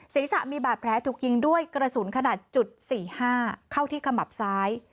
ศีรษะมีบาดแผลถูกยิงด้วยกระสุนขนาดจุด๔๕เข้าที่ขมับซ้าย